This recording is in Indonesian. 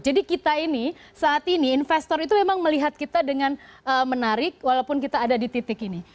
jadi kita ini saat ini investor itu memang melihat kita dengan menarik walaupun kita ada di titik ini